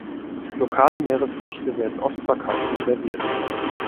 Lokale Meeresfrüchte werden oft verkauft und serviert.